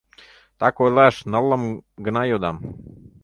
Так ойлаш, ныллым гына йодам.